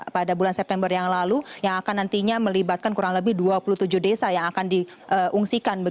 pada bulan september yang lalu yang akan nantinya melibatkan kurang lebih dua puluh tujuh desa yang akan diungsikan